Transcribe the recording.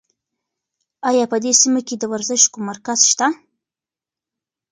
ایا په دې سیمه کې د ورزش کوم مرکز شته؟